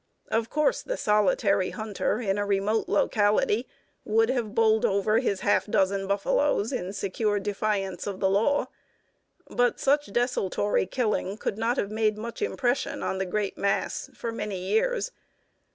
Of course the solitary hunter in a remote locality would have bowled over his half dozen buffaloes in secure defiance of the law; but such desultory killing could not have made much impression on the great mass for many years.